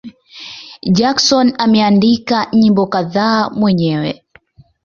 Jackson ameandika nyimbo kadhaa mwenyewe.